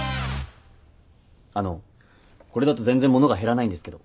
あのこれだと全然物が減らないんですけど。